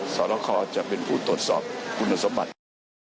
สรคอจะเป็นผู้ตรวจสอบคุณสมบัติ